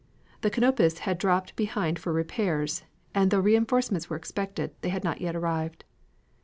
The Canopus had dropped behind for repairs, and though reinforcements were expected, they had not yet arrived.